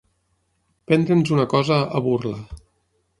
Prendre's una cosa a burla.